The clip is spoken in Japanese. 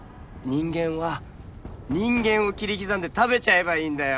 人間は人間を切り刻んで食べちゃえばいいんだよ。